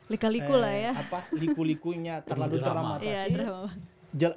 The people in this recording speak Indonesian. liku likunya terlalu terramatasi